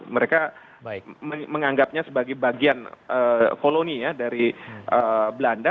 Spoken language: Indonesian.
mereka menganggapnya sebagai bagian koloni ya dari belanda